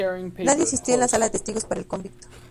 Nadie asistió en la sala de testigos para el convicto.